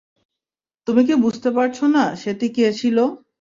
তুমি কি বুঝতে পারছো না সেতি কে ছিল?